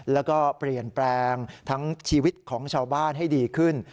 แล้วก็เปลี่ยนแปลงทั้งชีวิตของชาวบ้านให้ดีขึ้น